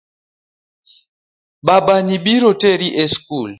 Babani biro teri e school .